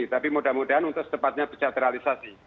tapi mudah mudahan untuk setepatnya terrealisasi